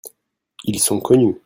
Ils sont connus.